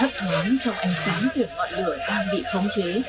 hấp thoáng trong ánh sáng được ngọn lửa đang bị khống chế